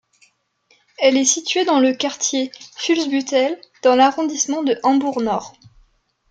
Elle est située dans le quartier Fuhlsbüttel dans l'arrondissement de Hambourg-Nord.